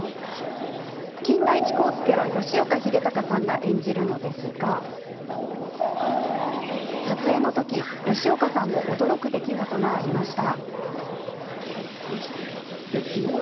金田一耕助は吉岡秀隆さんが演じるのですが撮影の時、吉岡さんも驚く出来事がありました。